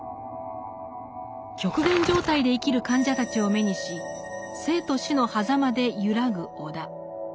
極限状態で生きる患者たちを目にし生と死のはざまで揺らぐ尾田。